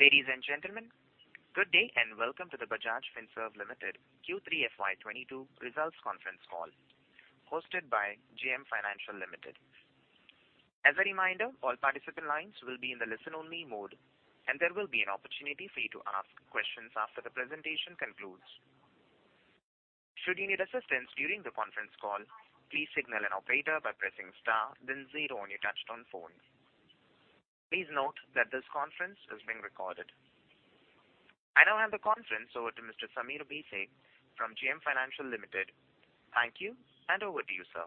Ladies and gentlemen, good day and welcome to the Bajaj Finserv Limited Q3 FY 2022 results conference call hosted by JM Financial Limited. As a reminder, all participant lines will be in the listen-only mode, and there will be an opportunity for you to ask questions after the presentation concludes. Should you need assistance during the conference call, please signal an operator by pressing star then zero on your touchtone phone. Please note that this conference is being recorded. I now hand the conference over to Mr. Sameer Bhise from JM Financial Limited. Thank you, and over to you, sir.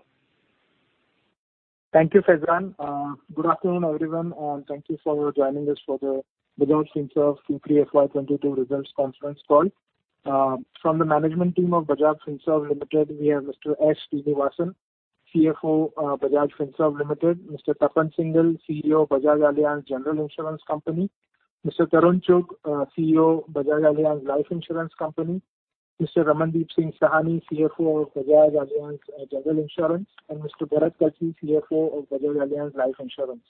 Thank you Faizan. Good afternoon everyone and thank you for joining us for the Bajaj Finserv Q3 FY 2022 results conference call. From the management team of Bajaj Finserv Limited, we have Mr. S. Sreenivasan, CFO, Bajaj Finserv Limited, Mr. Tapan Singhel, CEO Bajaj Allianz General Insurance Company, Mr. Tarun Chugh, CEO Bajaj Allianz Life Insurance Company, Mr. Ramandeep Singh Sahni, CFO of Bajaj Allianz General Insurance, and Mr. Bharat Kalsi, CFO of Bajaj Allianz Life Insurance.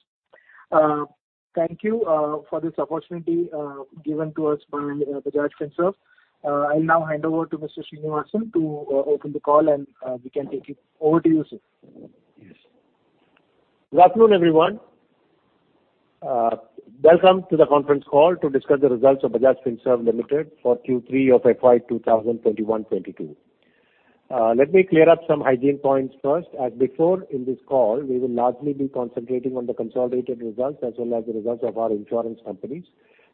Thank you for this opportunity given to us by Bajaj Finserv. I'll now hand over to Mr. S. Sreenivasan to open the call and we can take it. Over to you, sir. Yes. Good afternoon everyone. Welcome to the conference call to discuss the results of Bajaj Finserv Limited for Q3 of FY 2021-2022. Let me clear up some hygiene points first. As before, in this call, we will largely be concentrating on the consolidated results as well as the results of our insurance companies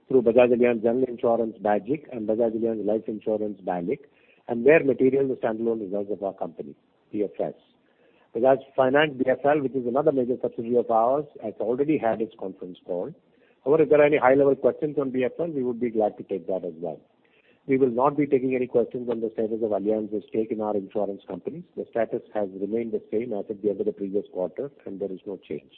through Bajaj Allianz General Insurance, BAGIC, and Bajaj Allianz Life Insurance, BALIC, and where material, the standalone results of our company, BFS. Bajaj Finance, BFL, which is another major subsidiary of ours, has already had its conference call. However, if there are any high-level questions on BFL, we would be glad to take that as well. We will not be taking any questions on the status of Allianz's stake in our insurance companies. The status has remained the same as at the end of the previous quarter, and there is no change.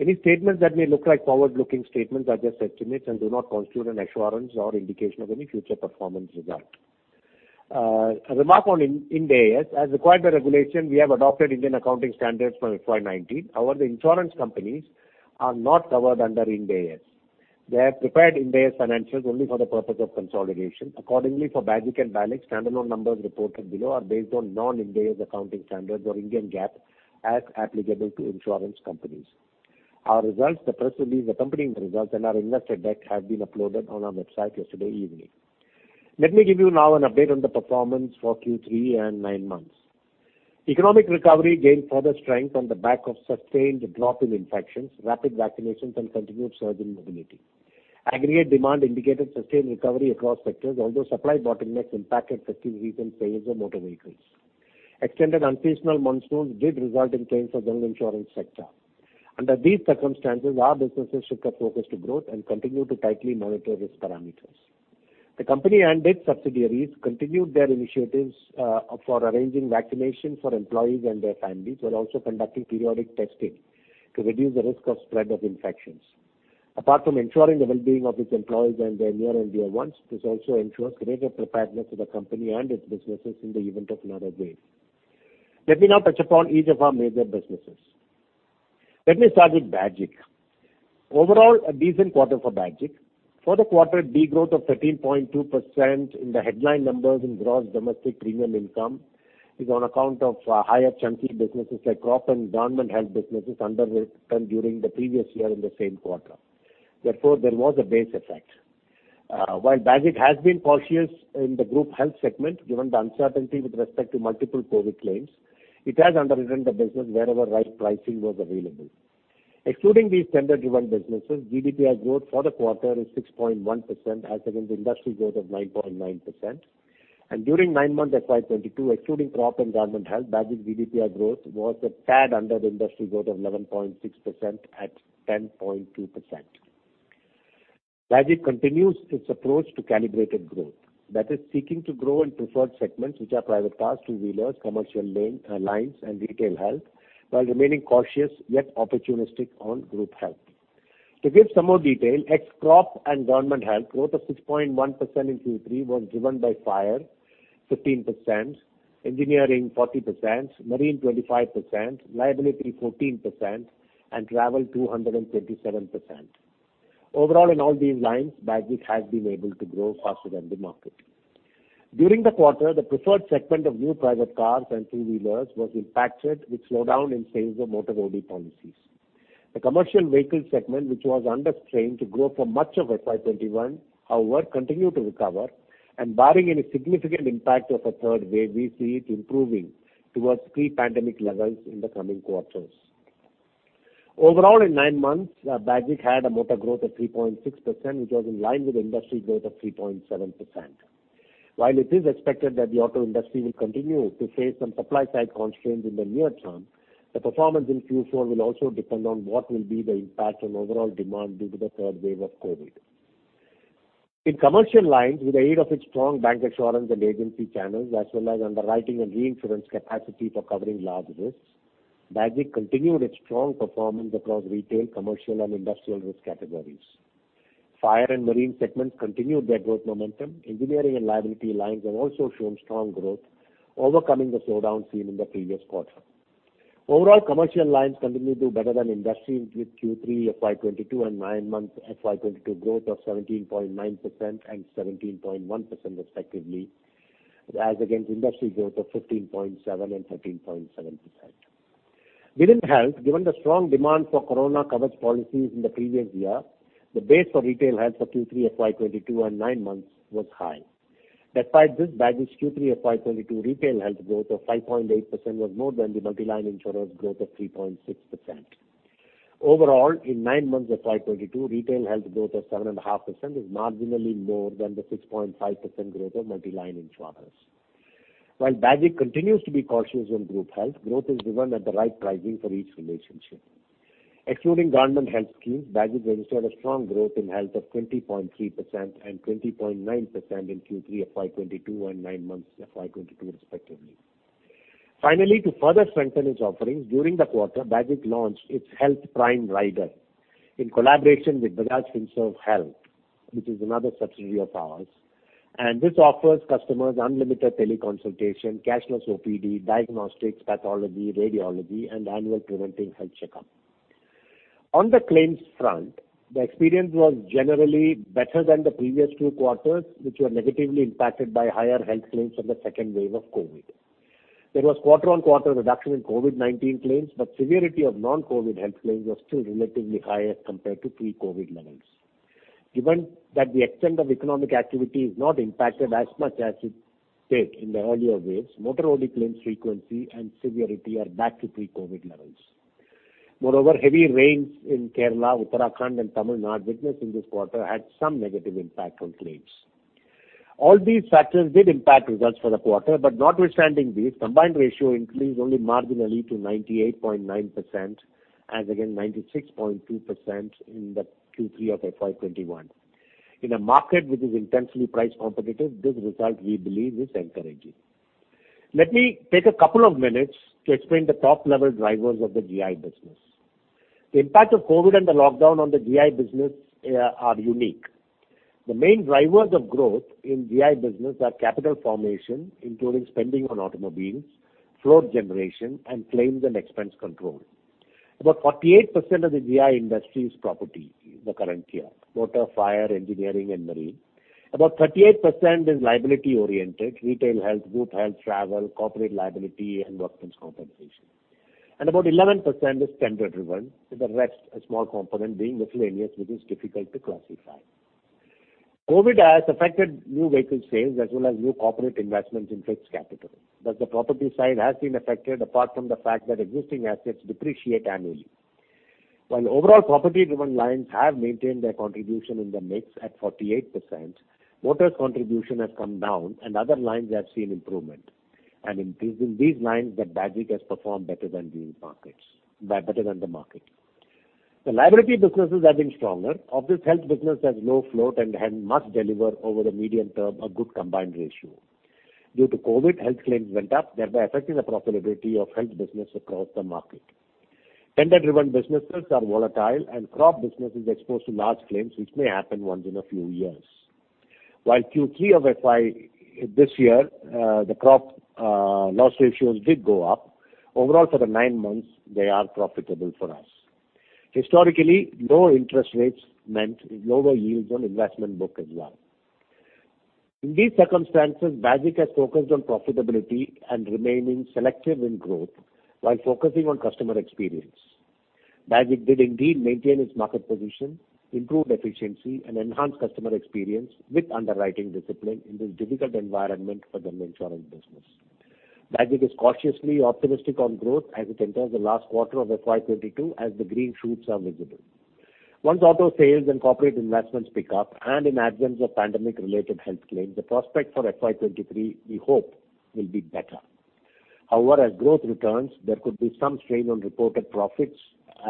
Any statements that may look like forward-looking statements are just estimates and do not constitute an assurance or indication of any future performance result. A remark on Ind AS. As required by regulation, we have adopted Indian accounting standards from FY 2019. However, the insurance companies are not covered under Ind AS. They have prepared Ind AS financials only for the purpose of consolidation. Accordingly, for BAGIC and BALIC, standalone numbers reported below are based on non-Ind AS accounting standards or Indian GAAP as applicable to insurance companies. Our results, the press release accompanying the results, and our investor deck have been uploaded on our website yesterday evening. Let me give you now an update on the performance for Q3 and nine months. Economic recovery gained further strength on the back of sustained drop in infections, rapid vaccinations and continued surge in mobility. Aggregate demand indicated sustained recovery across sectors, although supply bottlenecks impacted 15 regional sales of motor vehicles. Extended unseasonal monsoons did result in claims for general insurance sector. Under these circumstances, our businesses should get focused to growth and continue to tightly monitor risk parameters. The company and its subsidiaries continued their initiatives for arranging vaccination for employees and their families, while also conducting periodic testing to reduce the risk of spread of infections. Apart from ensuring the well-being of its employees and their near and dear ones, this also ensures greater preparedness of the company and its businesses in the event of another wave. Let me now touch upon each of our major businesses. Let me start with BAGIC. Overall, a decent quarter for BAGIC. For the quarter, degrowth of 13.2% in the headline numbers in gross domestic premium income is on account of higher chunky businesses like crop and government health businesses underwritten during the previous year in the same quarter. Therefore, there was a base effect. While BAGIC has been cautious in the group health segment, given the uncertainty with respect to multiple COVID claims, it has underwritten the business wherever right pricing was available. Excluding these tender-driven businesses, GDPI growth for the quarter is 6.1% as against industry growth of 9.9%. During nine months FY 2022, excluding crop and government health, BAGIC GDPI growth was a tad under the industry growth of 11.6% at 10.2%. BAGIC continues its approach to calibrated growth. That is seeking to grow in preferred segments, which are private cars, two-wheelers, commercial lines, and retail health, while remaining cautious yet opportunistic on group health. To give some more detail, ex crop and government health, growth of 6.1% in Q3 was driven by fire 15%, engineering 40%, marine 25%, liability 14%, and travel 227%. Overall, in all these lines, BAGIC has been able to grow faster than the market. During the quarter, the preferred segment of new private cars and two-wheelers was impacted with slowdown in sales of motor OD policies. The commercial vehicle segment, which was under strain to grow for much of FY 2021, however, continued to recover, and barring any significant impact of a third wave, we see it improving towards pre-pandemic levels in the coming quarters. Overall, in nine months, BAGIC had a motor growth of 3.6%, which was in line with industry growth of 3.7%. While it is expected that the auto industry will continue to face some supply-side constraints in the near term, the performance in Q4 will also depend on what will be the impact on overall demand due to the third wave of COVID. In commercial lines, with the aid of its strong bancassurance and agency channels, as well as underwriting and reinsurance capacity for covering large risks, BAGIC continued its strong performance across retail, commercial, and industrial risk categories. Fire and marine segments continued their growth momentum. Engineering and liability lines have also shown strong growth, overcoming the slowdown seen in the previous quarter. Overall, commercial lines continue to do better than industry with Q3 FY 2022 and nine months FY 2022 growth of 17.9% and 17.1% respectively, as against industry growth of 15.7% and 13.7%. Within health, given the strong demand for Corona coverage policies in the previous year, the base for retail health for Q3 FY 2022 and nine months was high. Despite this baggage, Q3 FY 2022 retail health growth of 5.8% was more than the multi-line insurers growth of 3.6%. Overall, in nine months of FY 2022, retail health growth of 7.5% is marginally more than the 6.5% growth of multi-line insurers. While BAGIC continues to be cautious on group health, growth is driven at the right pricing for each relationship. Excluding government health schemes, BAGIC registered a strong growth in health of 20.3% and 20.9% in Q3 FY 2022 and nine months FY 2022 respectively. Finally, to further strengthen its offerings during the quarter, BAGIC launched its Health Prime rider in collaboration with Bajaj Finserv Health, which is another subsidiary of ours. This offers customers unlimited teleconsultation, cashless OPD, diagnostics, pathology, radiology and annual preventive health checkup. On the claims front, the experience was generally better than the previous two quarters, which were negatively impacted by higher health claims from the second wave of COVID-19. There was quarter-on-quarter reduction in COVID-19 claims, but severity of non-COVID health claims was still relatively higher compared to pre-COVID levels. Given that the extent of economic activity is not impacted as much as it did in the earlier waves, motor-only claims frequency and severity are back to pre-Covid levels. Moreover, heavy rains in Kerala, Uttarakhand, and Tamil Nadu witnessed in this quarter had some negative impact on claims. All these factors did impact results for the quarter, but notwithstanding these, combined ratio increased only marginally to 98.9% as against 96.2% in the Q3 of FY 2021. In a market which is intensely price competitive, this result we believe is encouraging. Let me take a couple of minutes to explain the top level drivers of the GI business. The impact of Covid and the lockdown on the GI business are unique. The main drivers of growth in GI business are capital formation, including spending on automobiles, float generation, and claims and expense control. About 48% of the GI industry is property in the current year, motor, fire, engineering and marine. About 38% is liability oriented, retail health, group health, travel, corporate liability and workman's compensation. About 11% is tender driven, with the rest a small component being miscellaneous, which is difficult to classify. COVID has affected new vehicle sales as well as new corporate investments in fixed capital, thus the property side has been affected apart from the fact that existing assets depreciate annually. While overall property-driven lines have maintained their contribution in the mix at 48%, motor's contribution has come down and other lines have seen improvement. It is in these lines that BAGIC has performed better than the market. The liability businesses have been stronger. Of this, health business has low float and must deliver over the medium term a good combined ratio. Due to Covid, health claims went up, thereby affecting the profitability of health business across the market. Tender-driven businesses are volatile and crop business is exposed to large claims, which may happen once in a few years. While Q3 of FY this year, the crop loss ratios did go up, overall for the nine months they are profitable for us. Historically, low interest rates meant lower yields on investment book as well. In these circumstances, Bajaj has focused on profitability and remaining selective in growth while focusing on customer experience. Bajaj did indeed maintain its market position, improve efficiency and enhance customer experience with underwriting discipline in this difficult environment for the insurance business. Bajaj is cautiously optimistic on growth as it enters the last quarter of FY 2022 as the green shoots are visible. Once auto sales and corporate investments pick up and in absence of pandemic-related health claims, the prospect for FY 2023, we hope, will be better. However, as growth returns, there could be some strain on reported profits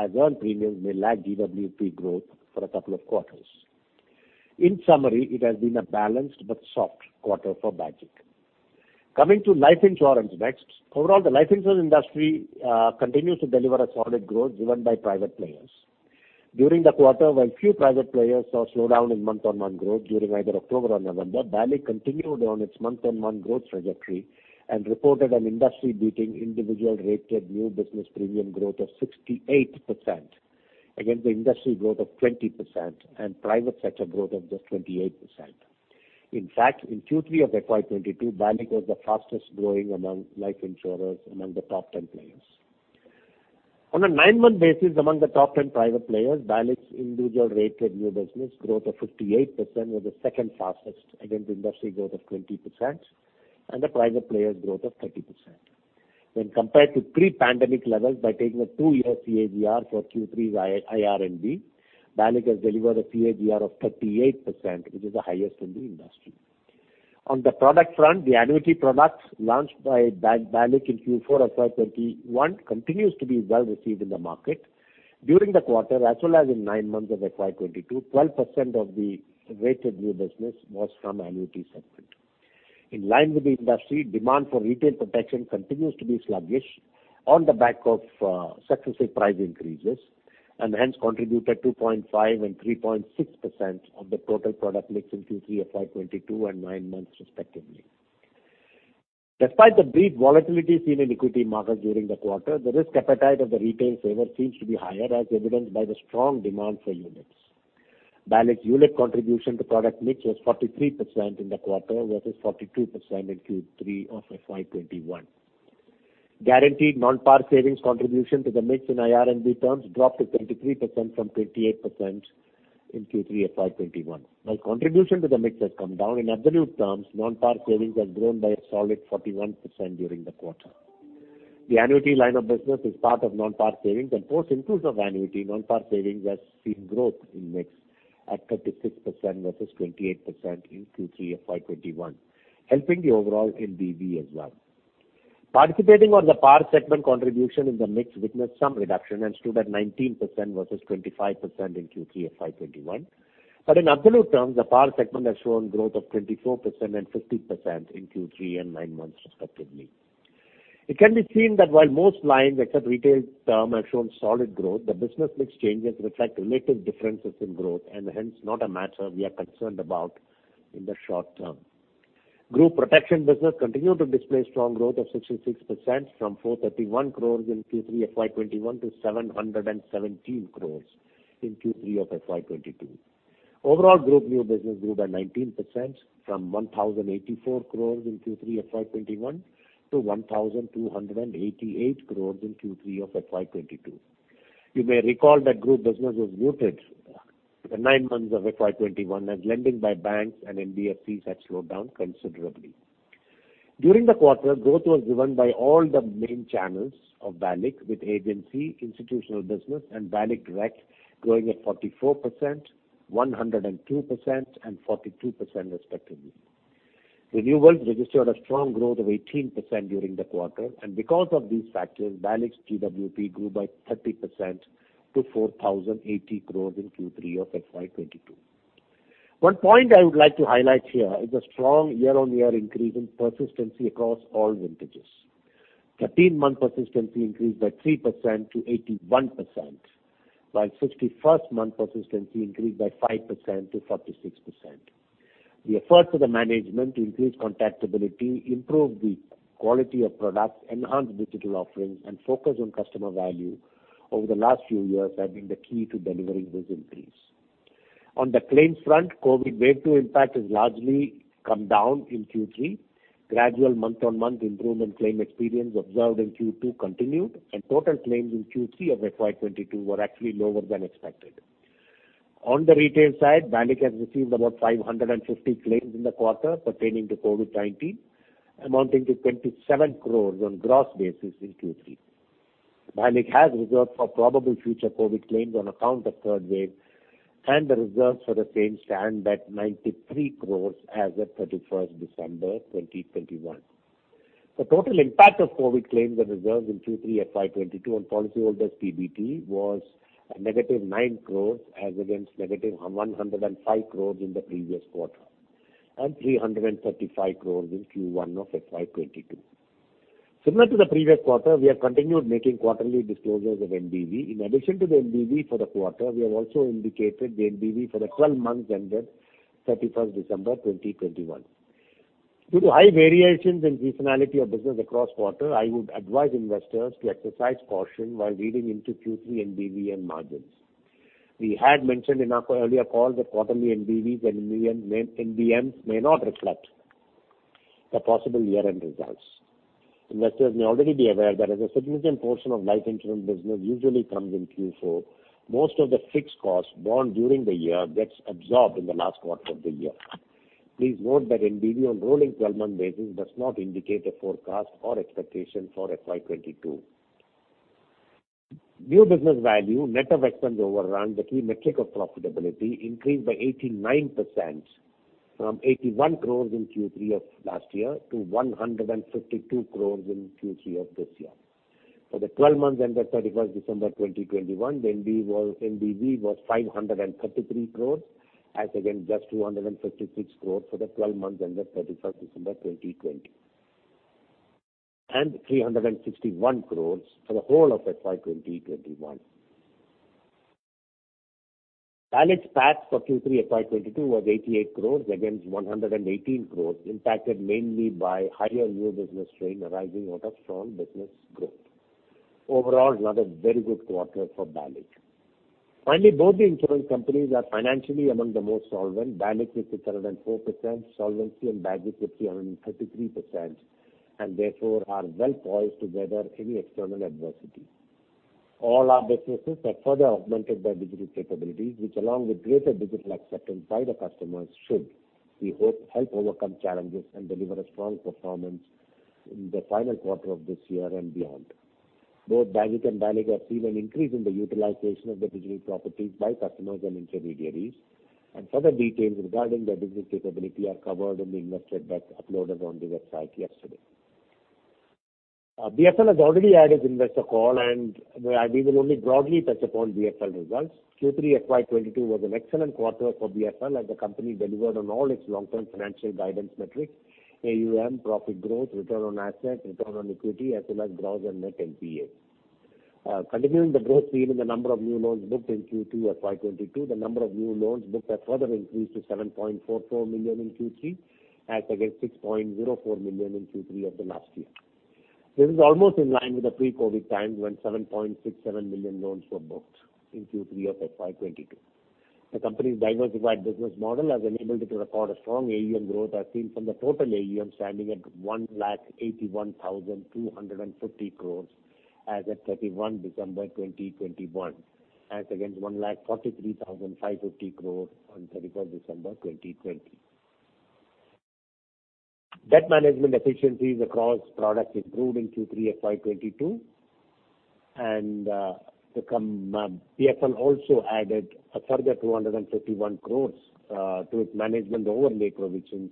as earned premiums may lag GWP growth for a couple of quarters. In summary, it has been a balanced but soft quarter for Bajaj. Coming to life insurance next. Overall, the life insurance industry continues to deliver a solid growth driven by private players. During the quarter, while few private players saw slowdown in month-on-month growth during either October or November, Bajaj continued on its month-on-month growth trajectory and reported an industry-beating individual rated new business premium growth of 68% against the industry growth of 20% and private sector growth of just 28%. In fact, in Q3 of FY 2022, Bajaj was the fastest growing among life insurers among the top 10 players. On a nine-month basis, among the top 10 private players, Bajaj's individual rated new business growth of 58% was the second fastest against industry growth of 20% and the private players growth of 30%. When compared to pre-pandemic levels by taking a two-year CAGR for Q3 IRNB, Bajaj has delivered a CAGR of 38%, which is the highest in the industry. On the product front, the annuity product launched by BALIC in Q4 FY 2021 continues to be well received in the market. During the quarter, as well as in nine months of FY 2022, 12% of the rated new business was from annuity segment. In line with the industry, demand for retail protection continues to be sluggish on the back of successive price increases. Hence contributed 2.5% and 3.6% of the total product mix in Q3 FY 2022 and nine months respectively. Despite the brief volatility seen in equity market during the quarter, the risk appetite of the retail saver seems to be higher as evidenced by the strong demand for units. BALIC's unit contribution to product mix was 43% in the quarter versus 42% in Q3 of FY 2021. Guaranteed non-par savings contribution to the mix in IRNB terms dropped to 23% from 28% in Q3 FY 2021. While contribution to the mix has come down, in absolute terms, non-par savings have grown by a solid 41% during the quarter. The annuity line of business is part of non-par savings, and post inclusive annuity, non-par savings has seen growth in mix at 36% versus 28% in Q3 FY 2021, helping the overall NBV as well. Participating or the par segment contribution in the mix witnessed some reduction and stood at 19% versus 25% in Q3 FY 2021. In absolute terms, the par segment has shown growth of 24% and 15% in Q3 and nine months respectively. It can be seen that while most lines except retail term have shown solid growth, the business mix changes reflect relative differences in growth and hence not a matter we are concerned about in the short term. Group protection business continued to display strong growth of 66% from 431 crore in Q3 FY 2021 to 717 crore in Q3 FY 2022. Overall group new business grew by 19% from 1,084 crore in Q3 FY 2021 to 1,288 crore in Q3 FY 2022. You may recall that group business was muted in the nine months of FY 2021 as lending by banks and NBFCs had slowed down considerably. During the quarter, growth was driven by all the main channels of BALIC, with agency, institutional business and BALIC Direct growing at 44%, 102%, and 42% respectively. Renewals registered a strong growth of 18% during the quarter, and because of these factors, BALIC's GWP grew by 30% to 4,080 crores in Q3 of FY 2022. One point I would like to highlight here is the strong year-on-year increase in persistency across all vintages. 13-month persistency increased by 3%-81%, while 61st-month persistency increased by 5%-46%. The effort of the management to increase contactability, improve the quality of products, enhance digital offerings, and focus on customer value over the last few years have been the key to delivering this increase. On the claims front, COVID wave two impact has largely come down in Q3. Gradual month-on-month improvement claim experience observed in Q2 continued, and total claims in Q3 of FY 2022 were actually lower than expected. On the retail side, BALIC has received about 550 claims in the quarter pertaining to COVID-19, amounting to 27 crore on gross basis in Q3. BALIC has reserved for probable future COVID claims on account of third wave, and the reserves for the same stand at 93 crore as at 31st December 2021. The total impact of COVID claims and reserves in Q3 FY 2022 on policyholders' PBT was a negative 9 crore as against negative 105 crore in the previous quarter, and 335 crore in Q1 of FY 2022. Similar to the previous quarter, we have continued making quarterly disclosures of NBV. In addition to the NBV for the quarter, we have also indicated the NBV for the 12 months ended 31st December 2021. Due to high variations in seasonality of business across quarter, I would advise investors to exercise caution while reading into Q3 NBV and margins. We had mentioned in our earlier call that quarterly NBVs and NBMs may not reflect the possible year-end results. Investors may already be aware that as a significant portion of life insurance business usually comes in Q4, most of the fixed costs borne during the year gets absorbed in the last quarter of the year. Please note that NBV on rolling 12-month basis does not indicate a forecast or expectation for FY 2022. New business value net of expense overrun, the key metric of profitability, increased by 89% from 81 crores in Q3 of last year to 152 crores in Q3 of this year. For the twelve months ended 31 December 2021, the NBV was 533 crores as against just 256 crores for the twelve months ended 31st December 2020, and 361 crores for the whole of FY 2021. BALIC's PAT for Q3 FY 2022 was 88 crores against 118 crores, impacted mainly by higher new business strain arising out of strong business growth. Overall, another very good quarter for BALIC. Finally, both the insurance companies are financially among the most solvent, BALIC with 204% solvency and BAGIC with 333%, and therefore are well poised to weather any external adversity. All our businesses are further augmented by digital capabilities, which along with greater digital acceptance by the customers should, we hope, help overcome challenges and deliver a strong performance in the final quarter of this year and beyond. Both BAGIC and BALIC have seen an increase in the utilization of their digital properties by customers and intermediaries, and further details regarding their digital capability are covered in the investor deck uploaded on the website yesterday. BFL has already had its investor call, and we will only broadly touch upon BFL results. Q3 FY 2022 was an excellent quarter for BFL, as the company delivered on all its long-term financial guidance metrics: AUM, profit growth, return on asset, return on equity, as well as gross and net NPA. Continuing the growth seen in the number of new loans booked in Q2 of FY 2022, the number of new loans booked have further increased to 7.44 million in Q3 as against 6.04 million in Q3 of the last year. This is almost in line with the pre-COVID times when 7.67 million loans were booked in Q3 of FY 2022. The company's diversified business model has enabled it to record a strong AUM growth as seen from the total AUM standing at 1,81,250 crore as at 31st December 2021, as against 1,43,550 crore on 31st December 2020. Debt management efficiencies across products improved in Q3 FY 2022. BFL also added a further 251 crore to its management overlay provisions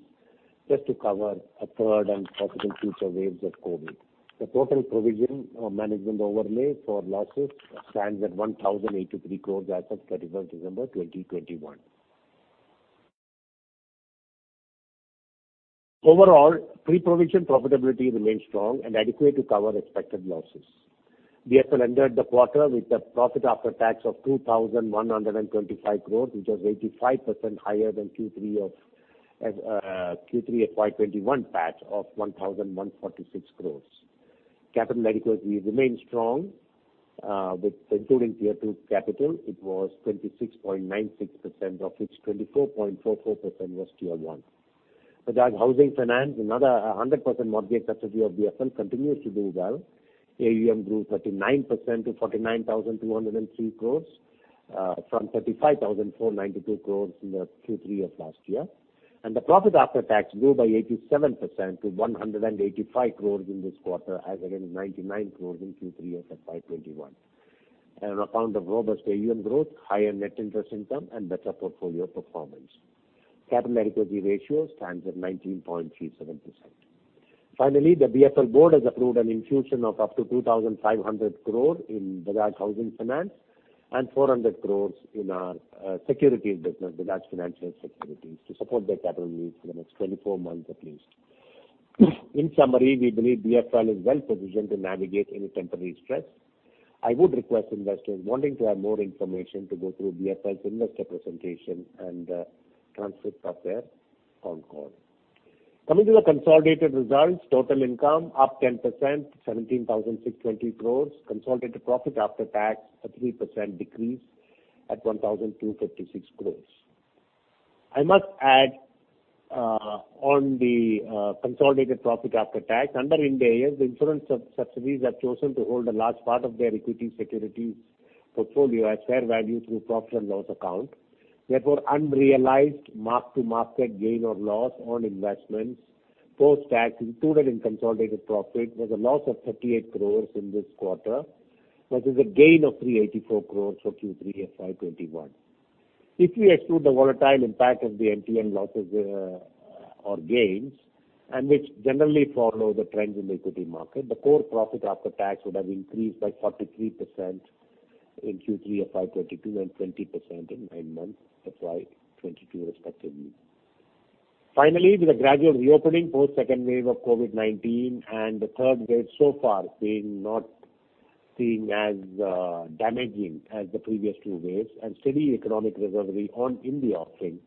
just to cover a third and possible future waves of COVID. The total provision or management overlay for losses stands at 1,083 crore as of 31st December 2021. Overall, pre-provision profitability remains strong and adequate to cover expected losses. BFL ended the quarter with a profit after tax of 2,125 crores, which was 85% higher than Q3 FY 2021 PAT of 1,146 crores. Capital adequacy remains strong, with including Tier 2 capital it was 26.96%, of which 24.44% was Tier 1. Bajaj Housing Finance, another 100% mortgage subsidiary of BFL, continues to do well. AUM grew 39% to 49,203 crores from 35,492 crores in the Q3 of last year. The profit after tax grew by 87% to 185 crores in this quarter as against 99 crores in Q3 of FY 2021. On account of robust AUM growth, higher net interest income, and better portfolio performance. Capital adequacy ratio stands at 19.37%. Finally, the BFL board has approved an infusion of up to 2,500 crore in Bajaj Housing Finance and 400 crore in our securities business, Bajaj Financial Securities, to support their capital needs for the next 24 months at least. In summary, we believe BFL is well positioned to navigate any temporary stress. I would request investors wanting to have more information to go through BFL's investor presentation and transcript of their phone call. Coming to the consolidated results, total income up 10%, 17,620 crore. Consolidated profit after tax, a 3% decrease at 1,256 crore. I must add, on the consolidated profit after tax, under Ind AS, the insurance subsidiaries have chosen to hold a large part of their equity securities portfolio at fair value through profit and loss account. Therefore, unrealized mark-to-market gain or loss on investments post-tax included in consolidated profit was a loss of 38 crore in this quarter versus a gain of 384 crore for Q3 FY 2021. If we exclude the volatile impact of the MTM losses, or gains, and which generally follow the trends in the equity market, the core profit after tax would have increased by 43% in Q3 of FY 2022 and 20% in nine months FY 2022 respectively. Finally, with the gradual reopening post second wave of COVID-19 and the third wave so far being not seeing as damaging as the previous two waves and steady economic recovery on in the offing,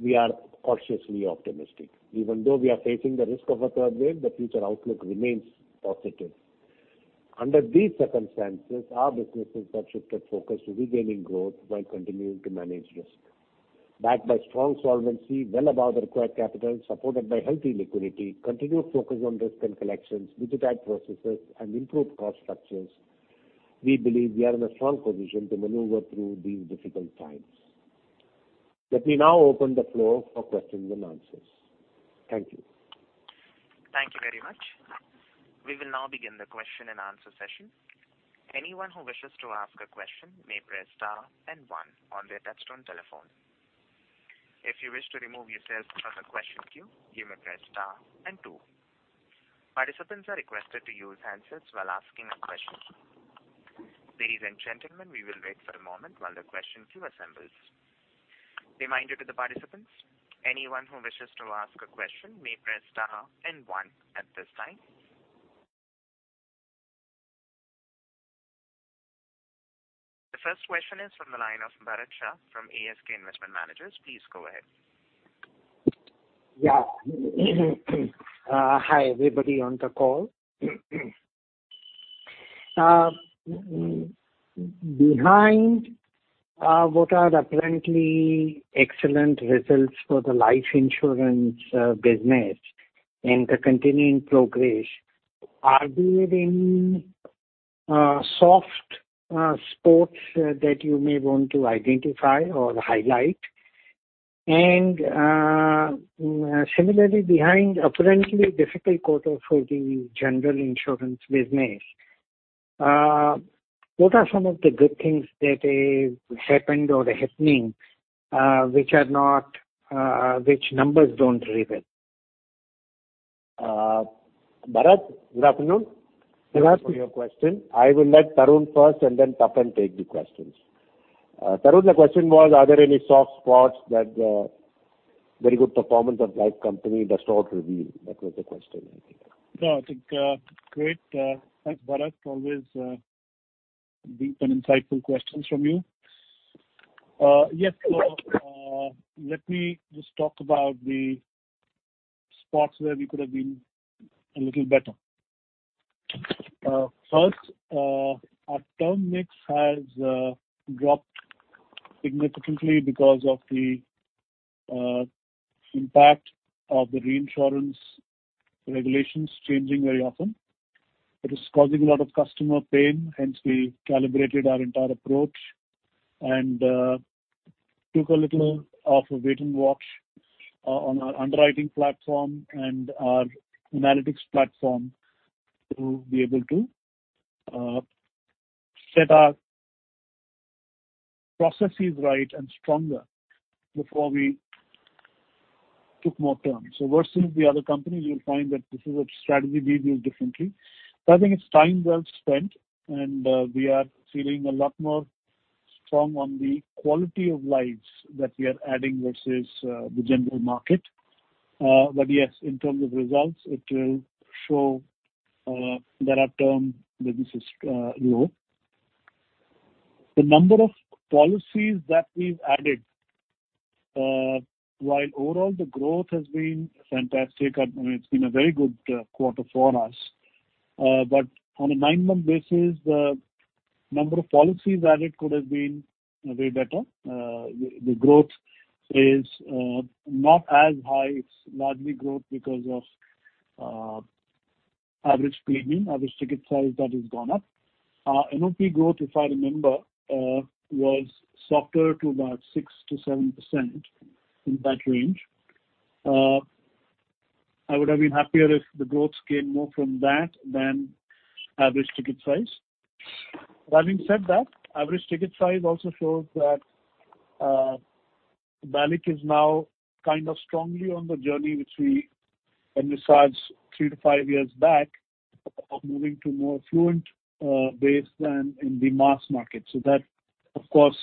we are cautiously optimistic. Even though we are facing the risk of a third wave, the future outlook remains positive. Under these circumstances, our businesses have shifted focus to regaining growth while continuing to manage risk. Backed by strong solvency well above the required capital, supported by healthy liquidity, continuous focus on risk and collections, digitized processes, and improved cost structures, we believe we are in a strong position to maneuver through these difficult times. Let me now open the floor for questions and answers. Thank you. Thank you very much. We will now begin the question and answer session. Anyone who wishes to ask a question may press star and one on their touch-tone telephone. If you wish to remove yourself from the question queue, you may press star and two. Participants are requested to use handsets while asking a question. Ladies and gentlemen, we will wait for a moment while the question queue assembles. Reminder to the participants, anyone who wishes to ask a question may press star and one at this time. The first question is from the line of Bharat Shah from ASK Investment Managers. Please go ahead. Bharat, good afternoon. Good afternoon. Thank you for your question. I will let Tarun first and then Tapan take the questions. Tarun, the question was, are there any soft spots that very good performance of life company does not reveal. That was the question I think. No, I think great. Thanks, Bharat. Always deep and insightful questions from you. Yes. Let me just talk about the spots where we could have been a little better. First, our term mix has dropped significantly because of the impact of the reinsurance regulations changing very often. It is causing a lot of customer pain, hence we calibrated our entire approach and took a little of a wait and watch on our underwriting platform and our analytics platform to be able to set our processes right and stronger before we took more terms. Versus the other companies, you'll find that this is a strategy we build differently. I think it's time well spent, and we are feeling a lot more strong on the quality of lives that we are adding versus the general market. Yes, in terms of results, it will show that our term business is low. The number of policies that we've added, while overall the growth has been fantastic, I mean, it's been a very good quarter for us. On a nine-month basis, the number of policies added could have been way better. The growth is not as high. It's largely growth because of average premium, average ticket size that has gone up. NOP growth, if I remember, was softer to about 6%-7%, in that range. I would have been happier if the growth came more from that than average ticket size. That being said, average ticket size also shows that BALIC is now kind of strongly on the journey which we envisaged three to five years back of moving to more affluent base than in the mass market. That, of course,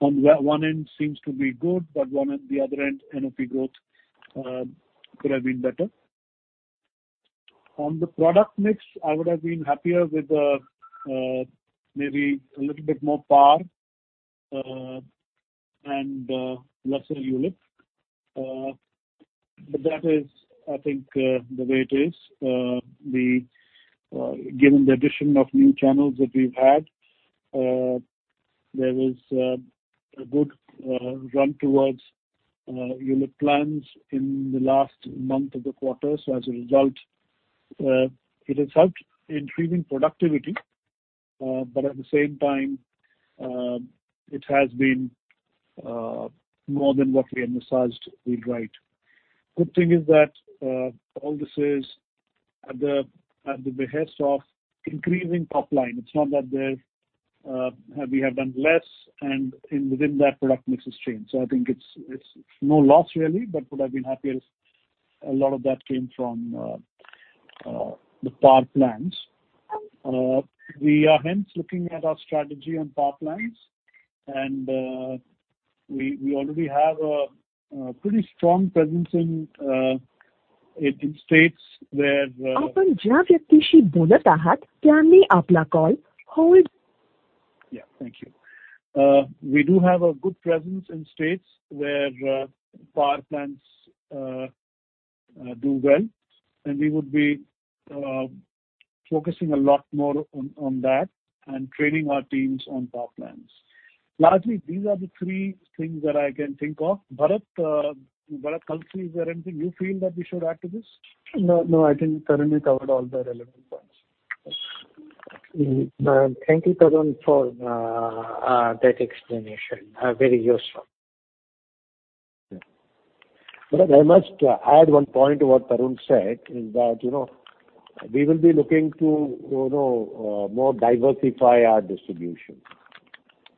on one end seems to be good, but on the other end, NOP growth could have been better. On the product mix, I would have been happier with maybe a little bit more par and lesser ULIP. Given the addition of new channels that we've had, there was a good run towards ULIP plans in the last month of the quarter. As a result, it has helped increasing productivity, but at the same time, it has been more than what we envisaged we'd write. Good thing is that all this is at the behest of increasing top line. It's not that there we have done less and within that product mix has changed. I think it's no loss really, but would have been happier if a lot of that came from the par plans. We are hence looking at our strategy on par plans, and we already have a pretty strong presence in Indian states where. Yeah. Thank you. We do have a good presence in states where par plans do well, and we would be focusing a lot more on that and training our teams on par plans. Largely, these are the three things that I can think of. Bharat Kalsi, is there anything you feel that we should add to this? No, no, I think Tarun you has covered all the relevant points. Yes. Thank you, Tarun, for that explanation. Very useful. Yeah. I must add one point to what Tarun said, is that, you know, we will be looking to, you know, more diversify our distribution,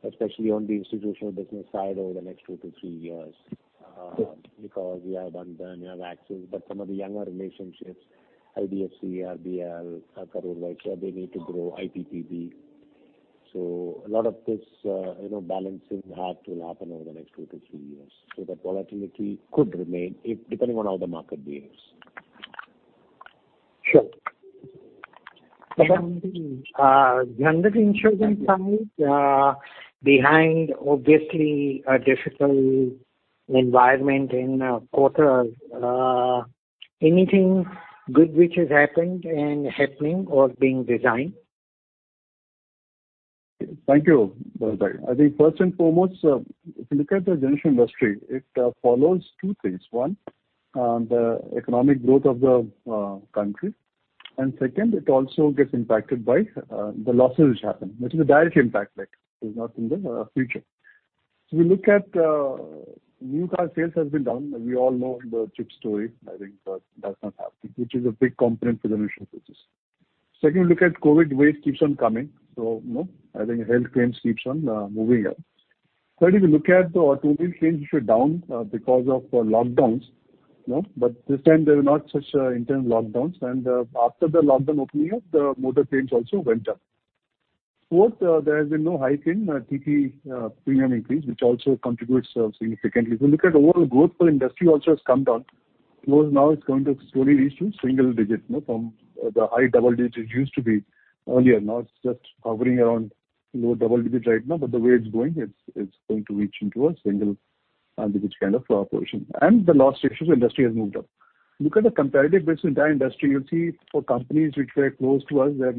especially on the institutional business side over the next two to three years, because we have done well, we have Axis, but some of the younger relationships, IDFC, RBL, Karur Vysya, they need to grow IPPB. A lot of this, you know, balancing act will happen over the next two to three years. That volatility could remain if depending on how the market behaves. Sure. Tarun, general insurance side, behind obviously a difficult environment in quarter, anything good which has happened and happening or being designed? Thank you, Bharat. I think first and foremost, if you look at the general industry, it follows two things. One, the economic growth of the country, and second, it also gets impacted by the losses which happen, which is a direct impact like it's not in the future. So we look at new car sales has been down. We all know the chip story. I think that that's not happening, which is a big component for the initial purchase. Second, look at COVID wave keeps on coming. So, you know, I think health claims keeps on moving up. Third, if you look at the automobile claims, which were down because of lockdowns, you know, but this time there were not such intense lockdowns. After the lockdown opening up, the motor claims also went up. Fourth, there has been no hike in TP premium increase, which also contributes significantly. If you look at overall growth for industry also has come down. Growth now is going to slowly reach to single digit, you know, from the high double digit it used to be earlier. Now it's just hovering around low double digits right now, but the way it's going, it's going to reach into a single digit kind of proportion. The loss ratios industry has moved up. Look at the comparative base entire industry, you'll see for companies which were close to us, their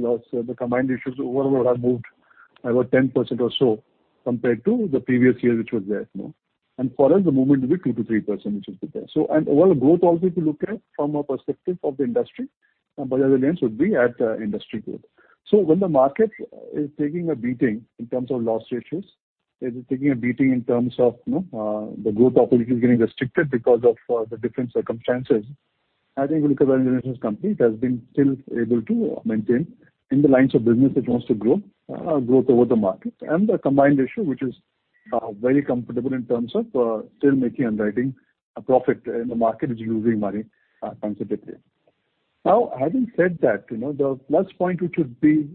combined ratios overall have moved over 10% or so compared to the previous year, which was there, you know. For us the movement will be 2%-3%, which is the best. Overall growth also if you look at from a perspective of the industry, Bajaj Allianz would be at industry growth. When the market is taking a beating in terms of loss ratios, it is taking a beating in terms of, you know, the growth opportunity is getting restricted because of the different circumstances. I think if you look at Bajaj Allianz company, it has been still able to maintain in the lines of business it wants to grow, growth over the market and the combined ratio which is very comfortable in terms of still making and writing a profit in the market which is losing money considerably. Now, having said that, you know, the plus point which would be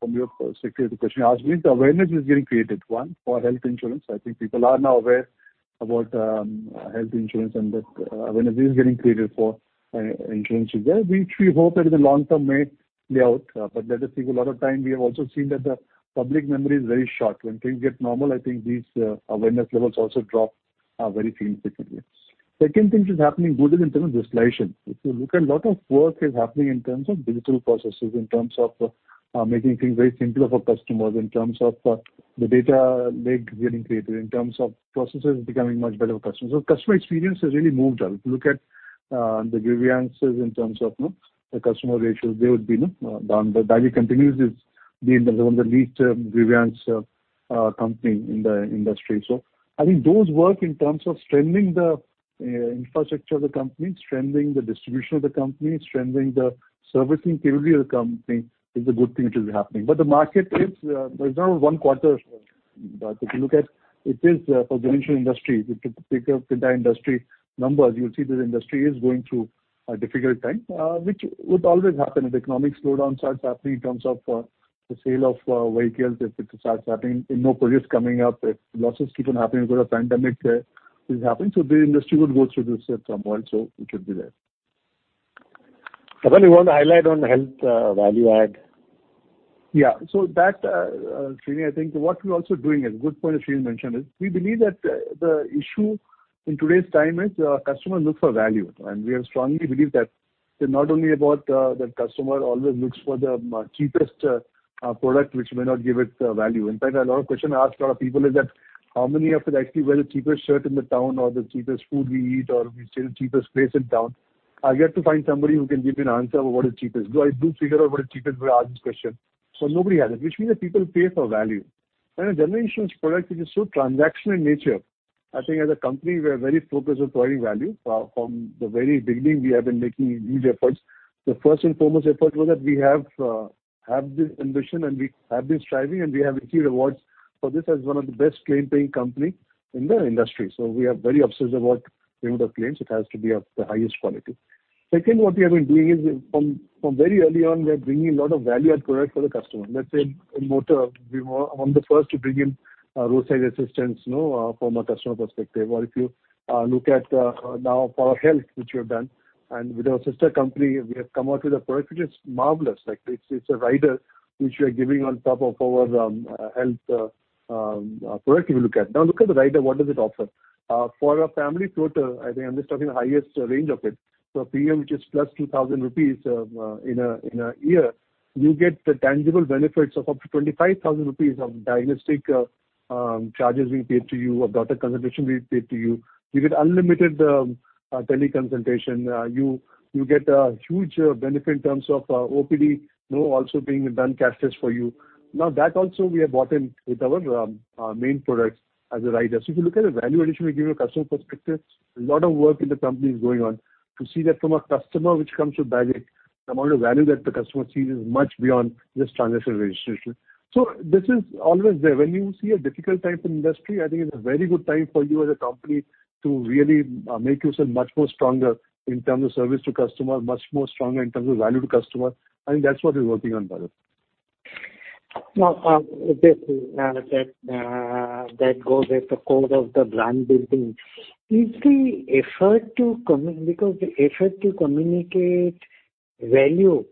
from your perspective, the question you asked me, the awareness is getting created. One, for health insurance, I think people are now aware about health insurance and that awareness is getting created for non-insurance as well, which we hope that is a long-term tailwind. It will take a lot of time. We have also seen that the public memory is very short. When things get normal, I think these awareness levels also drop very significantly. Second thing which is happening good is in terms of digitalization. If you look at a lot of work is happening in terms of digital processes, in terms of making things very simpler for customers, in terms of the data lake getting created, in terms of processes becoming much better for customers. Customer experience has really moved up. If you look at the grievances in terms of, you know, the customer ratios, they would be, you know, down. Bajaj continues to be the one of the least grievance company in the industry. I think those work in terms of strengthening the infrastructure of the company, strengthening the distribution of the company, strengthening the servicing capability of the company is a good thing which is happening. The market is, there's now one quarter. If you look at it is for general industry, if you pick up entire industry numbers, you'll see this industry is going through a difficult time, which would always happen if economic slowdown starts happening in terms of the sale of vehicles if it starts happening, you know, produce coming up, if losses keep on happening because of pandemic is happening. The industry would go through this turmoil, it would be there. Tapan Singhel, you want to highlight on health, value add? Yeah. That, Sreenivasan, I think what we're also doing is a good point as Sreenivasan mentioned is we believe that the issue in today's time is, customer looks for value. We have strongly believe that it's not only about, the customer always looks for the cheapest, product which may not give it, value. In fact, a lot of question I ask a lot of people is that how many of us actually wear the cheapest shirt in the town or the cheapest food we eat or we stay in the cheapest place in town? I get to find somebody who can give me an answer what is cheapest. Do I figure out what is cheapest when I ask this question. Nobody has it, which means that people pay for value. A general insurance product which is so transactional in nature, I think as a company we are very focused on providing value. From the very beginning we have been making huge efforts. The first and foremost effort was that we have this ambition and we have been striving and we have received awards for this as one of the best claim-paying company in the industry. We are very obsessed about payment of claims. It has to be of the highest quality. Second, what we have been doing is from very early on, we are bringing a lot of value-add product for the customer. Let's say in motor we were one of the first to bring in roadside assistance, you know, from a customer perspective. If you look at now for our health which we have done and with our sister company we have come out with a product which is marvelous. Like it's a rider which we are giving on top of our health product if you look at. Now look at the rider, what does it offer? For a family floater, I think I'm just talking the highest range of it. So a premium which is plus 2,000 rupees, in a year you get the tangible benefits of up to 25,000 rupees of diagnostic charges being paid to you or doctor consultation being paid to you. You get unlimited tele consultation. You get a huge benefit in terms of OPD, you know, also being done cashless for you. Now, that also we have brought in with our main products as a rider. If you look at the value addition we give from a customer perspective, a lot of work in the company is going on to see that from a customer who comes with Bajaj, the amount of value that the customer sees is much beyond just transition registration. This is always there. When you see a difficult time for industry, I think it's a very good time for you as a company to really make yourself much more stronger in terms of service to customer, much more stronger in terms of value to customer, and that's what we're working on, Bharat. Now, that goes at the core of the brand building. Is the effort to communicate value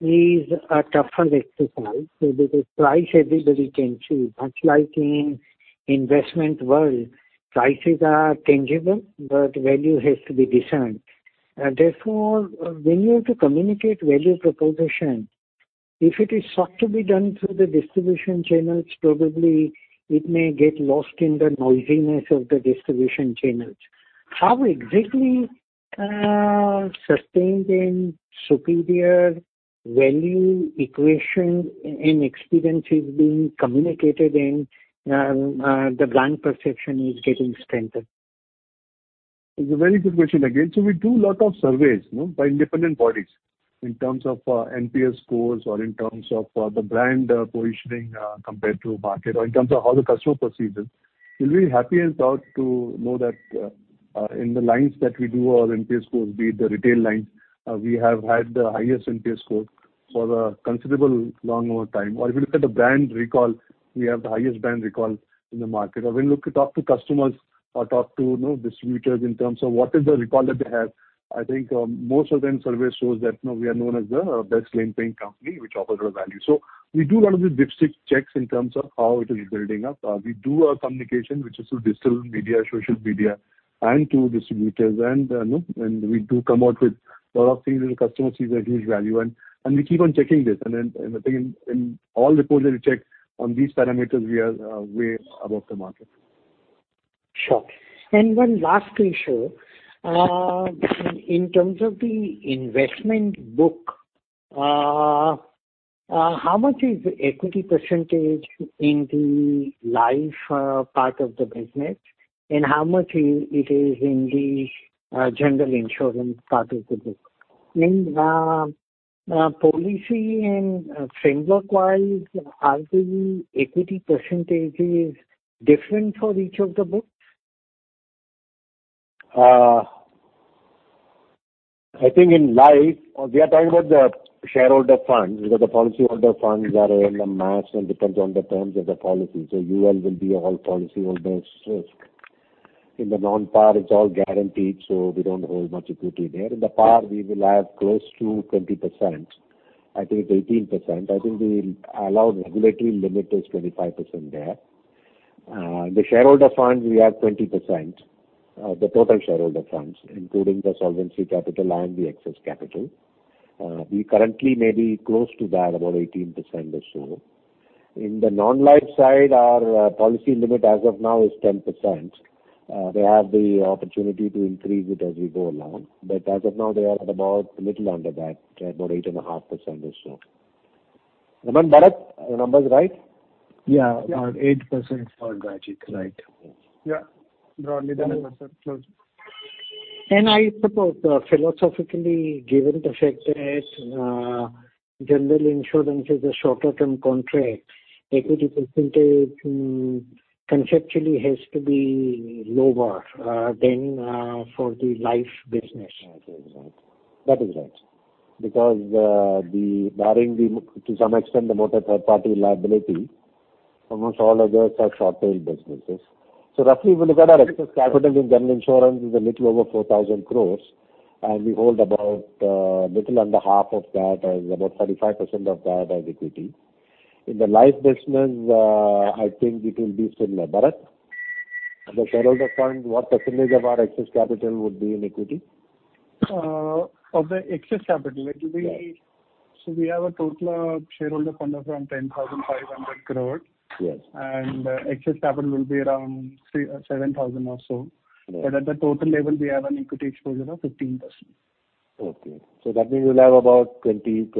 a tougher exercise because the price everybody can see, much like in the investment world, prices are tangible, but value has to be discerned? Therefore, when you have to communicate the value proposition, if it is sought to be done through the distribution channels, probably it may get lost in the noisiness of the distribution channels. How exactly sustained and superior value equation and experience is being communicated and the brand perception is getting strengthened? It's a very good question again. We do a lot of surveys, you know, by independent bodies in terms of NPS scores or in terms of the brand positioning compared to market or in terms of how the customer perceives it. You'll be happy and proud to know that in the lines that we do our NPS scores, be it the retail lines, we have had the highest NPS score for a considerable length of time. Or if you look at the brand recall, we have the highest brand recall in the market. Or when you talk to customers or talk to, you know, distributors in terms of what is the recall that they have, I think most of the surveys show that, you know, we are known as the best claims-paying company which offers our value. We do a lot of these dipstick checks in terms of how it is building up. We do our communication, which is through digital media, social media and to distributors and, you know, and we do come out with a lot of things and customers sees a huge value and we keep on checking this. I think in all reports that we check on these parameters, we are way above the market. Sure. One last ratio. In terms of the investment book, how much is the equity percentage in the life part of the business, and how much it is in the general insurance part of the book? Policy and framework-wise, are the equity percentages different for each of the books? We are talking about the shareholder funds, because the policyholder funds are in the mass and depend on the terms of the policy. UL will be all policyholders. In the non-par, it's all guaranteed, so we don't hold much equity there. In the par, we will have close to 20%. I think it's 18%. I think the allowed regulatory limit is 25% there. The shareholder funds, we have 20%, the total shareholder funds, including the solvency capital and the excess capital. We currently may be close to that, about 18% or so. In the non-life side, our policy limit as of now is 10%. They have the opportunity to increase it as we go along, but as of now they are at about a little under that, about 8.5% or so. Ramandeep, Bharat, are the numbers right? Yeah. Yeah. About 8% for Bajaj, right? Yeah. Broadly that is close. I suppose philosophically, given the fact that general insurance is a shorter term contract, equity percentage conceptually has to be lower than for the life business. That is right. Because, barring to some extent the motor third party liability, almost all others are short-tail businesses. Roughly, if you look at our excess capital in general insurance is a little over 4,000 crores, and we hold about little under half of that, or about 35% of that as equity. In the life business, I think it will be similar. Bharat, the shareholder funds, what percentage of our excess capital would be in equity? Of the excess capital it will be. Yes. We have a total of shareholder funds around 10,500 crore. Yes. Excess capital will be around 7,000 or so. At the total level we have an equity exposure of 15%. Okay. That means you'll have about 20%-22%,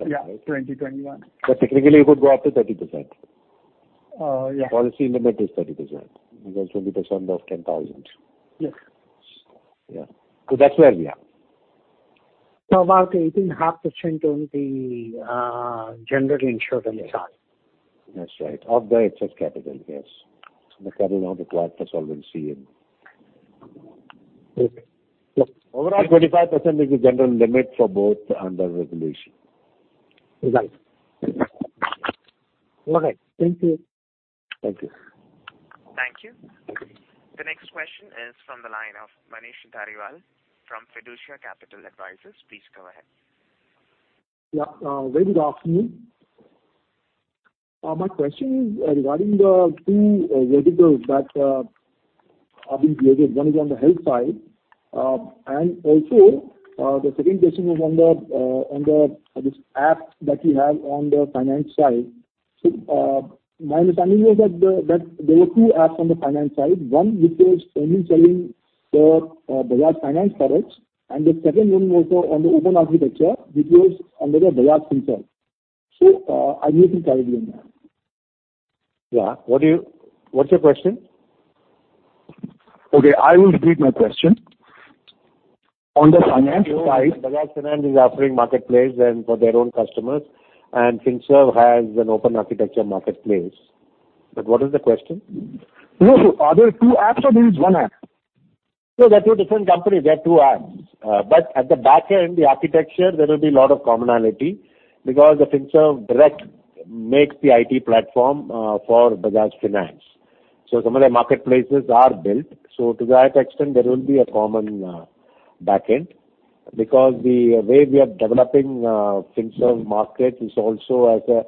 right? Yeah, 2021. Technically it could go up to 30%. Yeah. Policy limit is 30% because 20% of 10,000. Yes. Yeah. That's where we are. About 18.5% on the general insurance side. That's right. Of the excess capital, yes. The capital on the plus for solvency and Okay. Yeah. Overall, 25% is the general limit for both under regulation. Right. All right. Thank you. Thank you. Thank you. The next question is from the line of Manish Dhariwal from Fiducia Capital Advisors. Please go ahead. Yeah. Very good afternoon. My question is regarding the two verticals that are being created. One is on the health side. And also, the second question is on this app that you have on the finance side. My understanding was that there were two apps on the finance side. One which was only selling the Bajaj Finance products, and the second one was on the open architecture, which was under the Bajaj Finserv. I'm little confused in that. Yeah. What's your question? Okay, I will repeat my question. On the finance side. Bajaj Finance is offering marketplace and for their own customers, and Finserv has an open architecture marketplace. What is the question? No. Are there two apps or there is one app? No, they are two different companies. They are two apps. But at the back end, the architecture, there will be a lot of commonality because the Finserv Direct makes the IT platform for Bajaj Finance. So some of the marketplaces are built. So to that extent there will be a common backend because the way we are developing Finserv Markets is also as a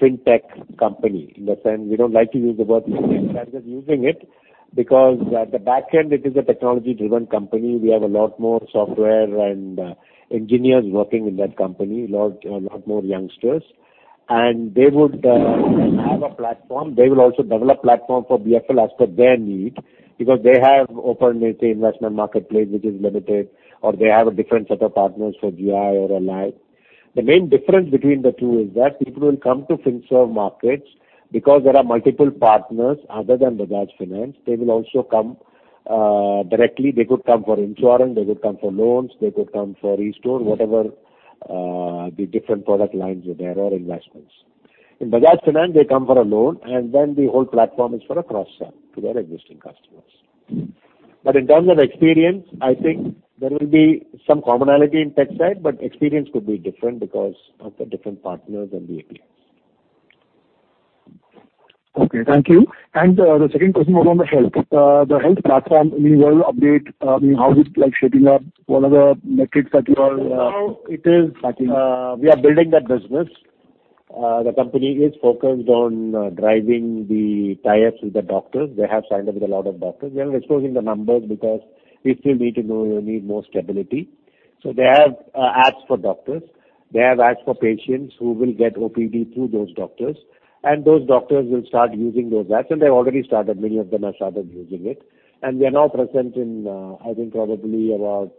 fintech company. In that sense, we don't like to use the word fintech, but I'm just using it because at the backend it is a technology-driven company. We have a lot more software and engineers working in that company, a lot more youngsters. They would have a platform. They will also develop platform for BFL as per their need because they have open investment marketplace which is limited, or they have a different set of partners for GI or LI. The main difference between the two is that people will come to Finserv Markets because there are multiple partners other than Bajaj Finance. They will also come directly. They could come for insurance, they could come for loans, they could come for e-store, whatever the different product lines are there or investments. In Bajaj Finance, they come for a loan, and then the whole platform is for a cross-sell to their existing customers. In terms of experience, I think there will be some commonality in tech side, but experience could be different because of the different partners and the APIs. Okay, thank you. The second question was on the Health. The Health platform, any, well, update, how is it like shaping up? What are the metrics that you all Now it is, we are building that business. The company is focused on driving the tie-ups with the doctors. They have signed up with a lot of doctors. We are exposing the numbers because we still need to know we need more stability. They have apps for doctors. They have apps for patients who will get OPD through those doctors, and those doctors will start using those apps, and they already started. Many of them have started using it. We are now present in, I think probably about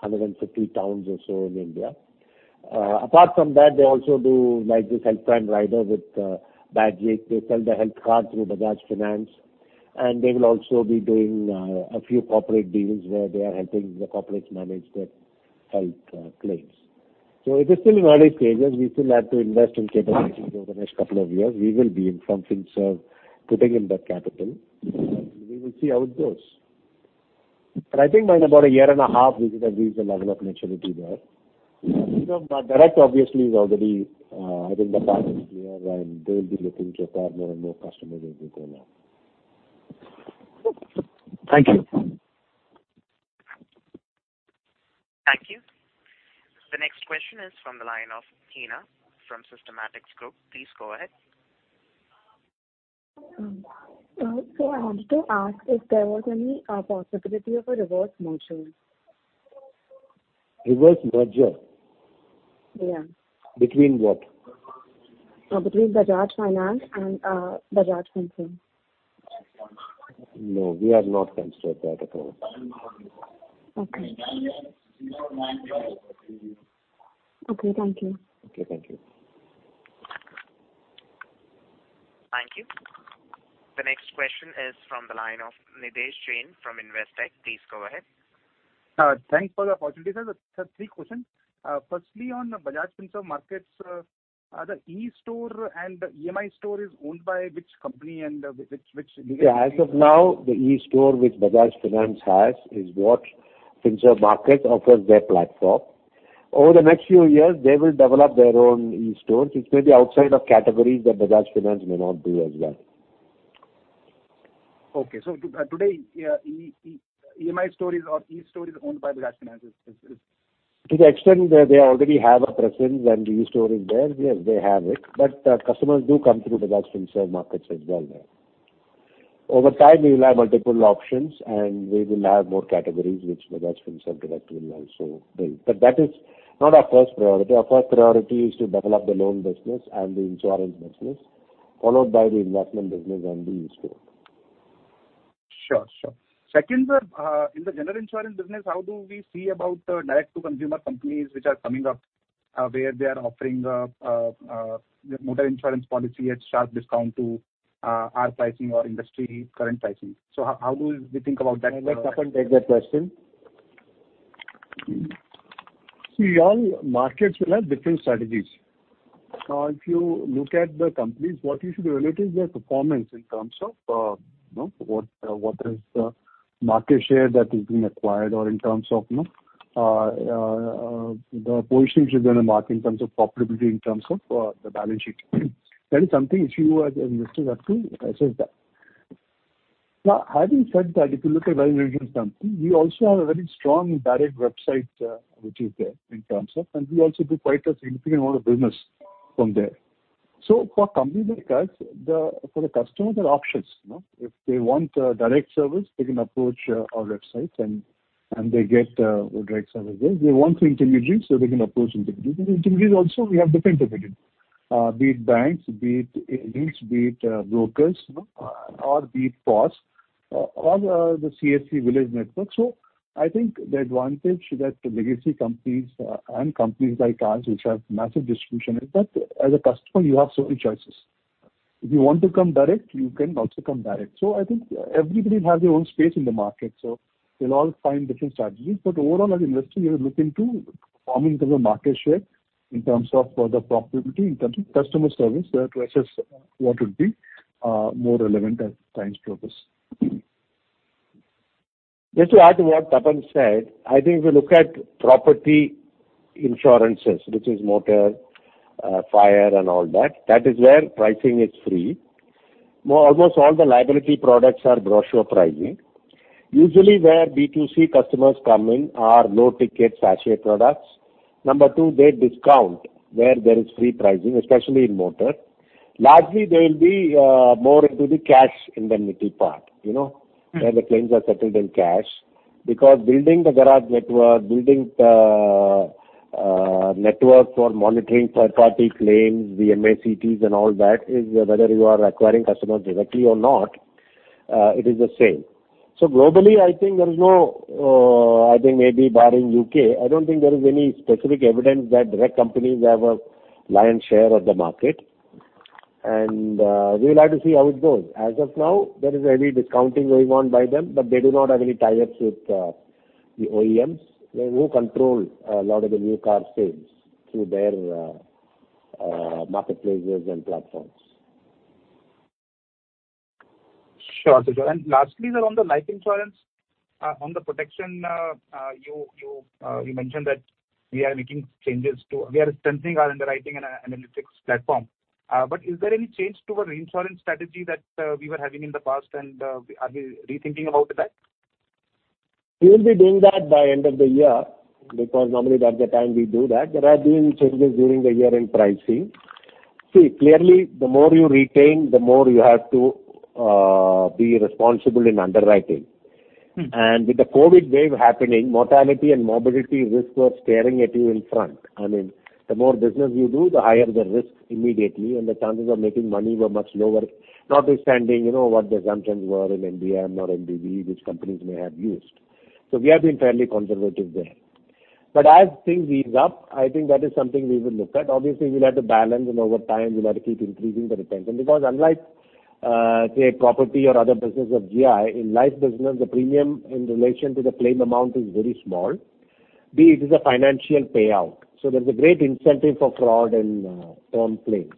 150 towns or so in India. Apart from that, they also do like this health plan rider with Bajaj. They sell the health card through Bajaj Finance, and they will also be doing a few corporate deals where they are helping the corporates manage their health claims. It is still in early stages. We still have to invest in capital over the next couple of years. We will be investing from Finserv putting in that capital. We will see how it goes. I think by about a year and a half, we should have reached a level of maturity there. You know, direct obviously is already. I think the partners here and they will be looking to acquire more and more customers as we go along. Thank you. Thank you. The next question is from the line of Heena from Systematix Group. Please go ahead. I wanted to ask if there was any possibility of a reverse merger. Reverse merger? Yeah. Between what? Between Bajaj Finance and Bajaj Finserv. No, we have not considered that at all. Okay. Okay, thank you. Okay, thank you. Thank you. The next question is from the line of Nidhesh Jain from Investec. Please go ahead. Thanks for the opportunity, sir. Three questions. Firstly, on the Bajaj Finserv Markets, are the e-store and the EMI store is owned by which company and, which. Yeah, as of now, the e-store which Bajaj Finance has is what Finserv Markets offers their platform. Over the next few years, they will develop their own e-stores, which may be outside of categories that Bajaj Finance may not do as well. Okay. Today, yeah, EMI store or e-store is owned by Bajaj Finance. To the extent that they already have a presence and the e-store is there, yes, they have it, but customers do come through Bajaj Finserv Markets as well there. Over time, we will have multiple options and we will have more categories which Bajaj Finserv Direct will also bring. That is not our first priority. Our first priority is to develop the loan business and the insurance business, followed by the investment business and the e-store. Sure, sure. Second, sir, in the general insurance business, how do we see about the direct to consumer companies which are coming up, where they are offering motor insurance policy at sharp discount to our pricing or industry current pricing? How do we think about that? Let Tapan take that question. See all markets will have different strategies. If you look at the companies, what you should evaluate is their performance in terms of, you know, what is the market share that is being acquired or in terms of, you know, the positioning within the market in terms of profitability, in terms of the balance sheet. That is something if you as an investor have to assess that. Now, having said that, if you look at Bajaj Allianz company, we also have a very strong direct website, which is there in terms of, and we also do quite a significant amount of business from there. For companies like us, for the customers, there are options. You know, if they want direct service, they can approach our website, and they get direct service there. If they want through intermediary, so they can approach intermediary. Intermediary also we have different intermediaries. Be it banks, be it agents, be it brokers, you know, or be it POS or the CSC village network. I think the advantage that legacy companies and companies like ours which have massive distribution is that as a customer you have so many choices. If you want to come direct, you can also come direct. I think everybody has their own space in the market, so they'll all find different strategies. Overall, as an investor, you're looking to perform in terms of market share, in terms of the profitability, in terms of customer service there to assess what would be more relevant at times to others. Just to add to what Tapan said, I think if you look at property insurances, which is motor, fire and all that is where pricing is free. Almost all the liability products are brochure pricing. Usually, where B2C customers come in are low-ticket, sacheted products. Number two, they discount where there is free pricing, especially in motor. Largely, they will be more into the cash indemnity part, you know, where the claims are settled in cash because building the garage network, building the network for monitoring third-party claims, the MACTs and all that is whether you are acquiring customers directly or not, it is the same. So globally, I think there is no, I think maybe barring U.K., I don't think there is any specific evidence that direct companies have a lion's share of the market. We'll have to see how it goes. As of now, there is heavy discounting going on by them, but they do not have any tie-ups with the OEMs who control a lot of the new car sales through their marketplaces and platforms. Sure, Sreenivasan. Lastly, sir, on the life insurance, on the protection, you mentioned that we are strengthening our underwriting analytics platform. But is there any change to our reinsurance strategy that we were having in the past, and are we rethinking about that? We will be doing that by end of the year because normally that's the time we do that. We're doing changes during the year in pricing. See, clearly, the more you retain, the more you have to be responsible in underwriting. Mm-hmm. With the COVID wave happening, mortality and morbidity risks were staring at you in the face. I mean, the more business you do, the higher the risk immediately, and the chances of making money were much lower. Notwithstanding, you know, what the assumptions were in NBM or NBV which companies may have used. We have been fairly conservative there. As things ease up, I think that is something we will look at. Obviously, we'll have to balance and over time we'll have to keep increasing the retention because unlike, say, property or other business of GI, in life business the premium in relation to the claim amount is very small. It is a financial payout, so there's a great incentive for fraud and term claims.